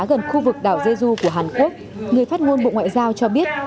gần khu vực đảo giê du của hàn quốc người phát ngôn bộ ngoại giao cho biết